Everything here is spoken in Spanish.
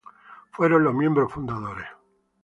Fueron los miembros fundadores.